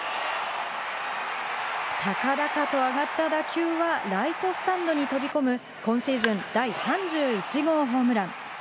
高々と上がった打球はライトスタンドに飛び込む今シーズン、第３１号ホームラン。